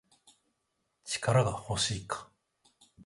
力が欲しいか